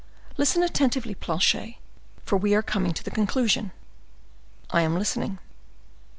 Listen attentively, Planchet, for we are coming to the conclusion." "I am listening."